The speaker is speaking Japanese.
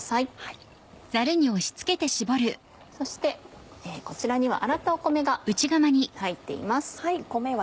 そしてこちらには洗ったお米が入っています。